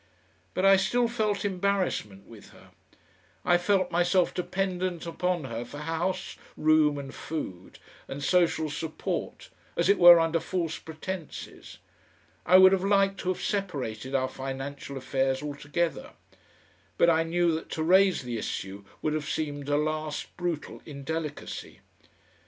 But I still felt embarrassment with her. I felt myself dependent upon her for house room and food and social support, as it were under false pretences. I would have liked to have separated our financial affairs altogether. But I knew that to raise the issue would have seemed a last brutal indelicacy.